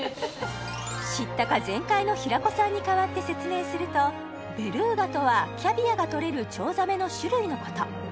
知ったか全開の平子さんに代わって説明するとベルーガとはキャビアがとれるチョウザメの種類のこと